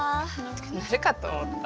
鳴るかと思った。